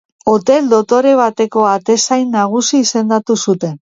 Hotel dotore bateko atezain nagusi izendatu zuten.